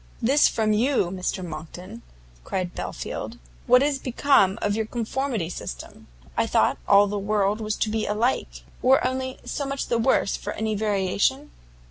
"This from you, Mr Monckton!" cried Belfield, "what is become of your conformity system? I thought all the world was to be alike, or only so much the worse for any variation?"